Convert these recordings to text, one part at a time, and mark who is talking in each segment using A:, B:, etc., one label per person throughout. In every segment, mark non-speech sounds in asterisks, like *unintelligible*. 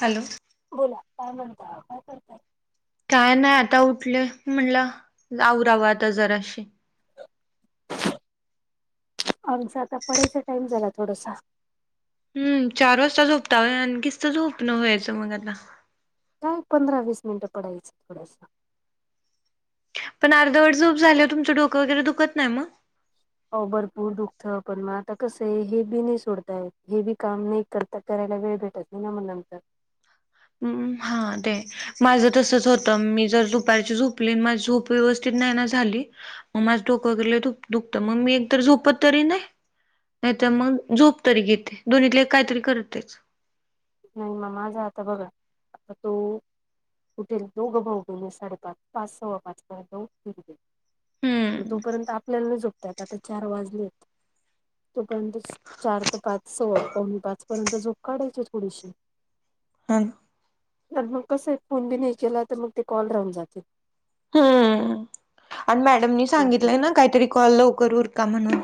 A: Hello.
B: बोला काय म्हणत? काय करताय?
A: काय नाही आता उठले म्हणलं लाऊराव आता जराशी
B: आमच आता पडायचा टाईम झाला थोडसा.
A: हम्म चार वाजता झोपता आण किसत झोप नं व्हायचं मग आता?
B: काय पंधरा, वीस मिनिटं पडायचं थोडसं.
A: पण अर्धवट जोप झाल्यावर तुचं डोक वगैरे दुखत मग?
B: अ भरपूर दुःख पण म आता कसं आहे हे बी नाही सोडतायेत हे बी काम नाही कर करायला वेळ भेटत नाही ना मग नंतर.
A: हम्म हा ते माझ तसच होतं मी जर दुपारची झोपली अन माझी झोप व्यवस्थित नाही ना झाली म माझं डोक अग लय दुखतं मग मी एक तर झोपत तरी नाही नाही तर मग झोप तरी घेते दोन्हीतले काहीतरी करतेच
B: नाही म माझं आता बगा आता तो उठेल दोघं भाऊ पण साडेपाच पाच सव्वा पाच पर्यंत उठतील ते. म
A: हम्म
B: तोपर्यंत आपल्याला नाही झोपतायेत आता चार वाजलेत तोपर्यंत चार ते पाच स पावणे पाच पर्यंत झोप काढायची थोडीशी
A: ताई
B: तर मग कसं आहे फोन बी नाही केला तर मग ते कॉल राहून जाते
A: हम्म आणि मॅडमनी
B: असं
A: सांगितलंय ना काहीतरी कॉल लवकर उरका म्हणून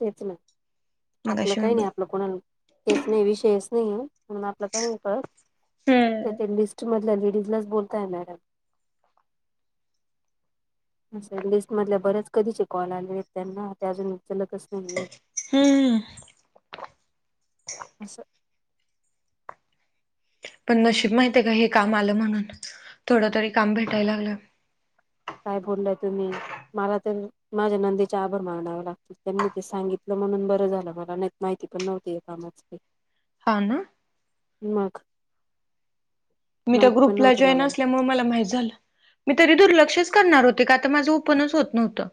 B: तेच ना आपलं
A: मगाशी
B: काही
A: मी
B: नाही आपलं कोणाला हेच नाही विषयच नाही म्हणून आपलं काय होत
A: हम्म.
B: त्यातील लिस्ट मधल्या लेडीजलाच बोलताय मॅडम असं लिस्ट मधल्या बऱ्याच कधीचे कॉल आले आहेत त्यांना ते अजून उचलतच नाही आहे
A: हम्म.
B: असं
A: पण नशीब माहिती आहे का हे काम आलं म्हणून थोडं तरी काम भेटायला लागलं
B: काय बोललंय तुम्ही मला तर माझ्या नंदेचे आभार मानावे लाग त्यांनी ते सांगितलं म्हणून बरं झालं मला नाही माहिती पण नव्हती या कामाच ते
A: हा ना.
B: मग
A: मी त्या
B: माहिती पण
A: ग्रुपला
B: नव्हतं
A: जॉईन
B: मला
A: असल्यामुळे मला माहित झालं मी तरी दुर्लक्षच करणार होते का आता माझं ओपनच होत नव्हतं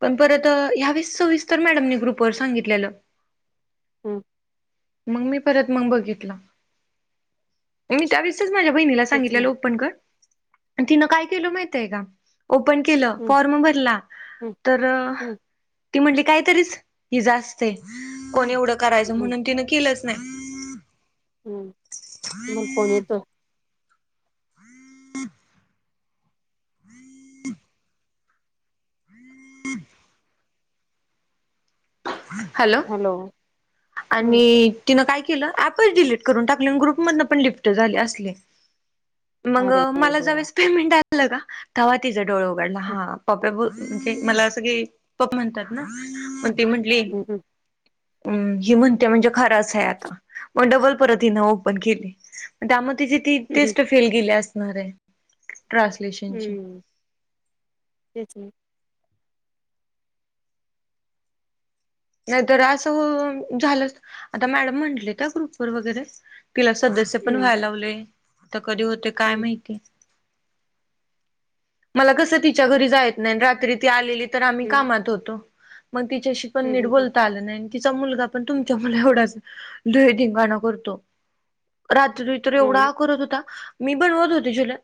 A: पण परत यावेळेस सविस्तर मॅडमने ग्रुपवर सांगितलेलं
B: हम्म.
A: मग मी परत मग बघितला मी त्यावीस वेळीस माझ्या बहिणीला
B: तेच ना
A: सांगितकेलं ओपन कर अन तिनं काय केलं माहितय का ओपन केलं,
B: हम्म
A: फॉर्म भरला
B: हम्म
A: तर
B: हम्म
A: ती म्हटली कायतरीच हिज असते, कोणी एवढं करायचं
B: हम्म
A: म्हणून तिनं केलंच नाही
B: हम्म तुम्हाला फोन येतो
A: ह हॅलो
B: हम्म
A: आणि तिनं काय केलं ऍपच डिलीट करून टाकले अन ग्रुपमधन पण लिफ्ट झाली असली मग
B: अरे
A: मला
B: देवा
A: ज्यावेळेस पेमेंट आलं का तेव्हा तिच डोळ उघडला
B: हम्म
A: हा पप्पा बो म्हणजे मला सगळे पप म्हणतात ना मग ती म्हंटली हम्म ही म्हणते म्हणजे खरंच आहे आता मग डबल परत हिन ओपन केली म त्याम तिची ती
B: हम्म
A: टेस्ट फेल गेली असणार आहे ट्र
B: हम्म, तेच ना
A: नाही तर असं हो झालं आता मॅडम म्हंटले त्या ग्रुप वर वगैरे तिला सदस्य पण
B: हम्म
A: व्हायला लावलय आता कधी होते काय
B: हम्म
A: माहिती मला कसं तिच्या घरी जायत नाय, अन रात्री ती आलेली तर आम्ही
B: हम्म
A: कामात होतो मग तिच्याशी पण
B: हम्म
A: नीट
B: हम्म
A: बोलता आलं नाही तिचा मुलगा पण तुमच्या मुला एवढाच लय धिंगाणा करतो रात्री तर
B: हो ना
A: एवढा करत होता मी भरवत होते *unintelligible* ला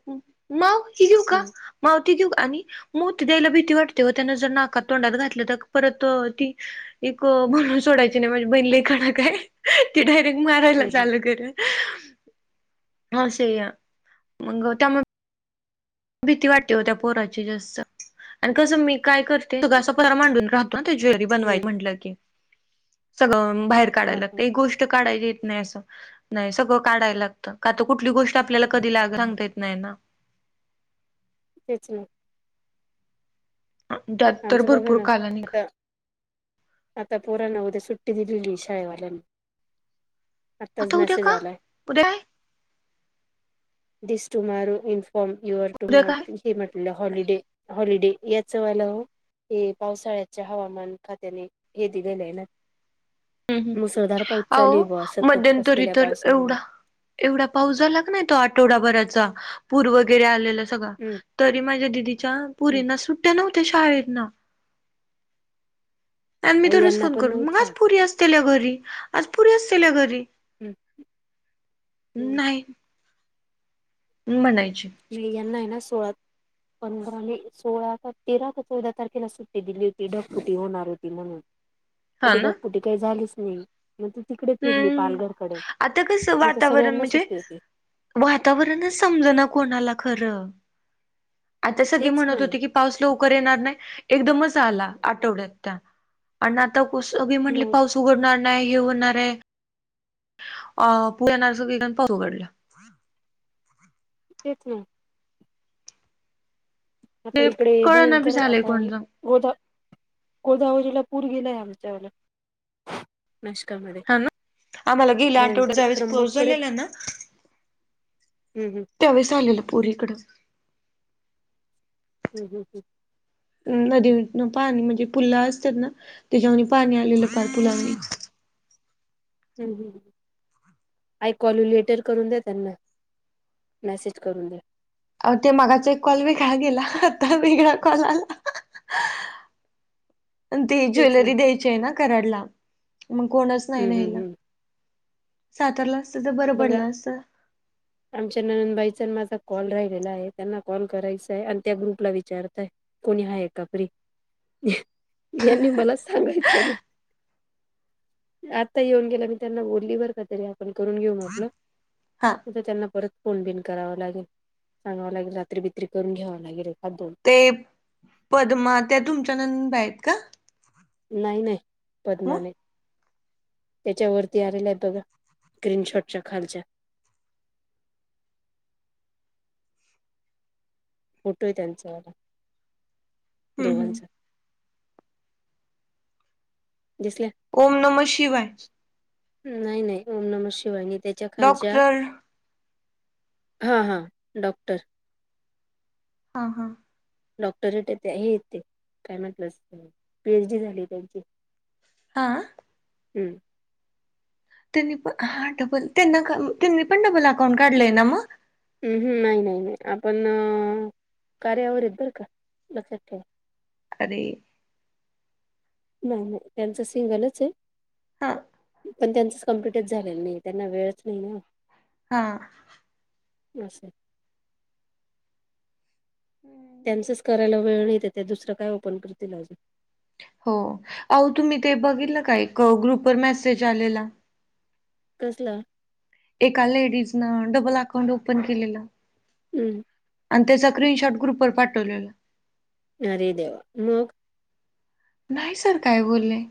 A: माऊ हे घेऊ का
B: हम्म
A: माव घेऊ आणि मोती द्यायला भीती वाटते व त्यान जर नाकात तोंडात घातलं तर परत ती एक बनून सोडायची नाही माझी बहिण लई कडक हाय. ती डायरेक्ट मारायला
B: हम्म
A: चालू करल आसया मग त्यामुळं भीती वाटते हो त्या पोराची जास्त आणि कसं मी काय करते ता असा पतार मांडून राह होत ना ते ज्वेलरी बनवाय
B: हम्म
A: म्हणल की सगळ बाहेर काडाय
B: हा
A: लागत.
B: हा
A: एक गोष्ट काडाय येत नाही आस नाही सगळ काडाय काय लागतं. का तर कुटली गोष्ट ष्टआपल्याला कधी लाग सांगता येत नाही ना.
B: तेच
A: त्यात तर
B: आमचं बघा
A: भरपूर
B: ना
A: काला निघ
B: आता आता पोरांना उद्या सुट्टी दिलेली शाळेवाल्यांनी आत्ताच
A: आता उद्या
B: मेसेज
A: का?
B: आलाय.
A: उद्या काय
B: दिस टुमारो इन्फॉर्म युअर
A: उद्या
B: टुमार
A: काय
B: हे म्हटलं हॉलिडे-हॉलिडे याचं वाला हो. हे पावसाळ्याच्या हवामान खात्याने हे दिलेले आहे.
A: हम्म हम्म.
B: मुसळधार पाऊस चालू आहे
A: अहो
B: बा सतत
A: मध्यंतरी
B: असलेल्या
A: तर एवढा
B: पावसामुळे
A: एवढा पाऊस झाला क नाही तो आठवडाभराचा पूर वगैरे आलेला सगळा
B: हम्म
A: तरी माझ्या दिदीच्या
B: हम्म
A: पुरींना सुट्ट्या नव्हत्या शाळेना आणि मी
B: अहो
A: दरोज
B: यांना
A: फोन
B: पण
A: करून मग
B: नव्हत्या
A: आज पुरी असत असतील्या घरी, आज पुरी असल्या घरी,
B: हम्म हम्म
A: नाही ह म्हणायची
B: *unintelligible* आहे ना सोळा पंधराने, सोळा, तेरा, चौदा तारखेला सुट्टी दिली होती. ढपफुटी होणार होती म्हणून पण
A: हा
B: ती
A: ना
B: धग फुटी काय झालीच नाई. मग ती तिकडे फिरली
A: हम्म
B: पालघरकडे,
A: आता कसं
B: मग तर
A: वातावरण
B: सगळ्यांना
A: म्हणजे
B: सुट्टी होती.
A: वातावरणच समज ना कोणाला खरं, आता सगळी
B: तेच ना
A: म्हणत होती की पाऊसला लवकर येणार नाही. एकदमच आला आठवड्यात त्या आणि आता कुसी म्हटले
B: मग
A: पाऊस उघडणार नाही हे हूणार *unintelligible*
B: तेच ना आता
A: ते
B: इकडे
A: कळना बी
B: भयंकर,
A: झालंय
B: आता हे
A: कोणच
B: गोदा गोदावरीला पूर गेलाय आमच्याला
A: हा
B: *unintelligible*
A: ना आम्हाला गेला आठवड्याच्या
B: भयंकर
A: ज्या वेळेस पाऊस पाऊस
B: त्र्यंबककडे
A: झालेला ना
B: हम्म
A: त्यावेळेस आलेलं पूर इकडं
B: हम-हम-हम
A: नदी विन पाणी म्हणजे पुला असतात ना त्याच्यावर पाणी आलेलं फार पुलावणी
B: हम हम आय कॉल यू लेटर करून द्या त्यांना मेसेज करून द्या
A: अ ते मागाचा एक कॉल वेगळा, गेला आता वेळा कॉल आला *inaudible* ते
B: तेच ना
A: ज्वेलरी द्यायची आहे ना कराडला, मग कोणच नाही
B: हम्म
A: नाही
B: हम्म
A: न्यायला
B: हम्म
A: सातारलं असत तर बरं
B: बघा
A: पडलं असत.
B: आमच्या ननंदबाईचा माझा कॉल राहिलेला आहे. त्यांना कॉल करायचा आहे आणि त्या ग्रुपला विचारताय कोणी आहे का फ्री? यांनी मला सांगायचं ना आता येऊन गेला. मी त्यांना बोलली बरं का तरी आपण करून घेऊ म्हटलं
A: हा
B: तथ त्यांना परत फोन बिन करावा लागेल. सांगव लागेल रात्री बित्री करून घ्याववा लागेल एखाद दोन.
A: ते पद्मा त्या तुमच्या ननंदबाई आहेत का?
B: नाही नाही
A: मग
B: पद्मा नाही. त्याच्यावरती आलेला आहे बघा स्क्रीनशॉटच्या खालच्या. फोटो आहे त्यांचावाला
A: हम्म हम्म.
B: दोघांचा. दिसल्या.
A: ओम नम शिवाय.
B: नाही -नाही ओम नम शिवाय नाही त्याच्या खालच्या
A: डॉक्टर हा
B: हा- हा डॉक्टर.
A: हा हा
B: डॉक्टरेट आहे ते हे आहेत ते काय म्हणतात पीएच डी झाली त्यांची.
A: हां
B: हम
A: त्यांनी पण हा डबल त्यांना त्यांनी पण डबल अकाउंट काढलय ना मग.
B: नाही नाही नाही आपण कार्यावरेत बर का लक्षात ठेवा.
A: अरे
B: नाही नाही त्यांच सिंगलच आहे.
A: हा
B: पण त्यांचच कम्प्ललीटच झालेल नाही त्यांना वेळच नाही ना.
A: हा
B: असय.
A: हम्म
B: त्यांचच करायला वेळ नाहीेते त्या दुसर काय ओपन करतील अजून.
A: हो, अहो तुम्ही ते बघीतल ना का एक ग्रुपवर मेसेज आलेला.
B: कसला?
A: एका लेडीज नं डबल अकाउंट ओपन केलेल.
B: हम्म
A: आणि त्याचा स्क्रीनशॉट ग्रुप वर पाठवलेला.
B: अरे देवा! मग
A: नाही सर काय बोललंय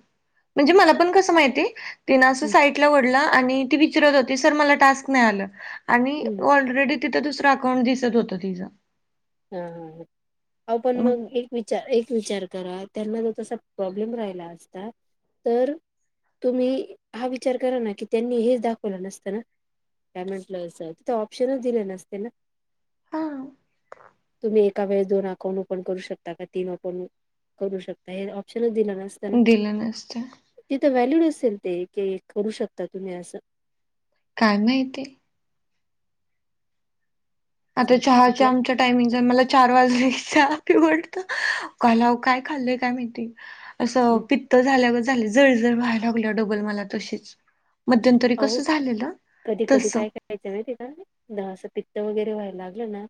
A: म्हणजे मला पण कस माहितीय तिना अस
B: हम्म
A: साईडला ओढल आणि ती विचारत होती सर मला टास्क नाही आल आणि
B: हम्म
A: ऑलरेडी तिथ दुसरा अकाउंट दिसत होत तिच.
B: हम हम ह अहो पण मग एक विचार करा एक विचार करा त्यांना जो तसा प्रॉब्लेम राहिला असता. तर तुम्ही हा विचार करा ना की त्यांनी हेच दाखवल नसत ना काय म्हटले अस. तिथे ऑप्शनच दिले नसते ना.
A: हा
B: तुम्ही एका वेळेस दोन अकाउंट ओपन करू शकता का तीन अकाउंट करू शकता हे ऑप्शनच दिला न
A: दिल नसत.
B: तिथ व्हॅल्यूड असेल ते कि, करू शकता तुम्ही अस.
A: काय माहिती? आता
B: असं.
A: चहाच्या
B: आपल्या
A: आमच्या टायमिंग मला चार वाजले चहा पिऊ वाटत. अहो काल काय खाल्लय काय माहिती? अस पित्त झाल्यावर झाली जर जर व्हायला लागल डबल मला तशीच. मध्यंतरी
B: अहो
A: कस झालेल
B: कधी कधी
A: तस.
B: काय व्हायच माहिती आहे का द अस पित्त वगैरे व्हायला लागल ना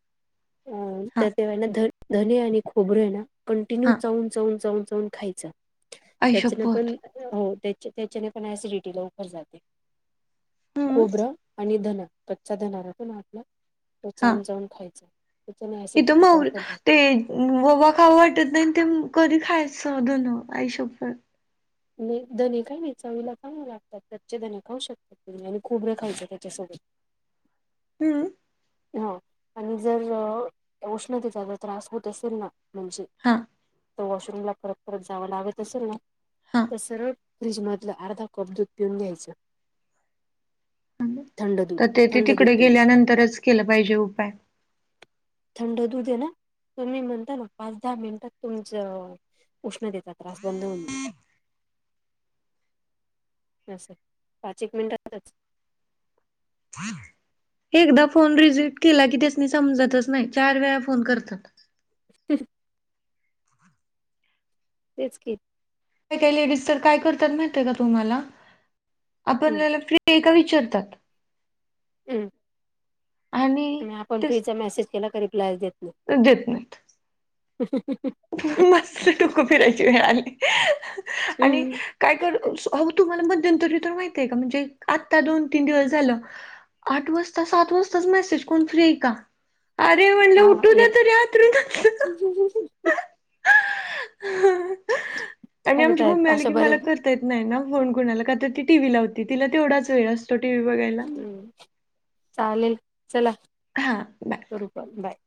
B: अ
A: हा
B: तर तेव्हा ना ध धनी आणि खोबरं आहे ना कंटिन्यू
A: हा
B: चावून चावून चावून चावून खायच त्याच्यान
A: आईशपथ
B: पण हो त्या त्याच्याने पण ऍसिडिटी लवकर जाते.
A: हम्म
B: खोबर आणि धन कच्चा धना राहतो ना आपला तो चाऊन चाऊन खायचा. त्याच्याने
A: तिथ
B: ऍसिडिटी
A: मऊर
B: लवकर जाते
A: ते ववा खावु वाटत नाही. ते कधी खायच धन आई शपथ.
B: धने काय नाही चावीला चांगले लागतात कच्चे धने खाऊ शकतात. आणि खोबर खायच त्याच्यासोबत.
A: हम्म
B: ह आणि जर उष्णतेचा जर त्रास होत असेल ना म्हणजे
A: हा
B: त वॉशरूमला परत परत जाव लागत असेल ना
A: हा
B: तर सरळ फ्रीज मधल अर्धा कप दूध पिऊन घ्यायच. थंड
A: तर
B: दूध
A: ते ते
B: थंड
A: तिकडे
B: दूध प्यायच
A: गेल्यानंतरच केल पाहिजे उपाय.
B: थंड दूध आहे ना तर तुम्ही म्हणता ना पाच दहा मिनिटात तुमच उष्णतेचा त्रास बंद होऊन जाईल. अस पाच एक मिनिटातच.
A: *inaudible* एकदा फोन रिजेक्ट केला की त्यासनी समजतच नाही. चार वेळा फोन करतात.
B: हम्म तेच की
A: काही काही लेडीज तर काय करतात माहितीय का तुम्हाला?
B: हम्म
A: आपणल्याला फ्री आहे का विचारतात.
B: हम्म आणि आपण फ्री चा मेसेज केला की रिप्लाय देत नाही
A: देत नाहीत.
B: *unintelligible*
A: मस्त डोक फिरायची वेळ आली. आणि काय कर अहो तुम्हाला मध्यंतरी तर माहित आहे का म्हणजे आत्ता दोन तीन दिवस झाल आठ वाजता सात वाजताच मेसेज कोण फ्री आहे का? अरे म्हणल
B: हा
A: उठू द्या
B: येत
A: तरी अंथरुणातून. आणि
B: आहेत
A: आमची
B: आहेत
A: मम्मी आली
B: अशा
A: की मला
B: बऱ्याच
A: तर देते नाही ना फोन कुणाला. का ती टीव्ही लावती. तिला तेवढाच वेळ असतो टीव्ही बघायला.
B: चालेल चला
A: हा बाय.
B: बरोबर बाय.